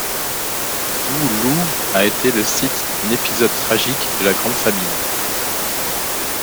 Doo Lough a été le site d'un épisode tragique de la Grande Famine.